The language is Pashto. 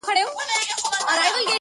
حيوان څه چي د انسان بلا د ځان دي-